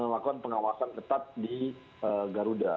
melakukan pengawasan ketat di garuda